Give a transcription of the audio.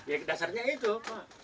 ya dasarnya itu pak